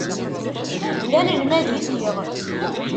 D anelmad i lliɣ.